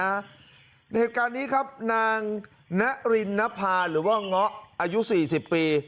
ในเหตุการณ์นี้ครับนางนะรินพาหรือว่าง้ออายุสี่สิบปี